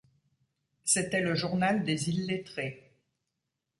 C'était le journal des illettrés.